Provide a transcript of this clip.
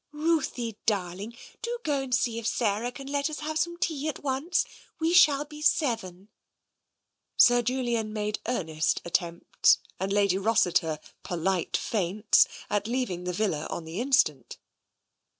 " Ruthie darling, do go 202 TENSION and see if Sarah can let us have tea at once. We shall be seven." Sir Julian made earnest attempts and Lady Rossi ter polite feints, at leaving the villa on the instant.